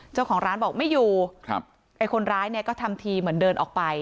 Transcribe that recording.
เจ้าของร้านบอกไม่อยู่ครับไอ้คนร้ายเนี่ยก็ทำทีเหมือนเดินออกไป